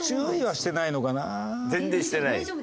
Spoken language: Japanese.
全然してない。